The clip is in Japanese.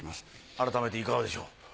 改めていかがでしょう？